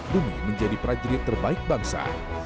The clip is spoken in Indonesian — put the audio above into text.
demi menjadi prajurit terbaik bangsa